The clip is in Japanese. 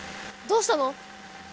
どうしたの？